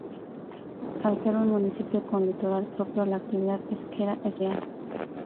Al ser un municipio con litoral propio la actividad pesquera es primordial.